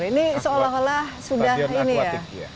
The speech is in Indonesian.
ini seolah olah sudah ini ya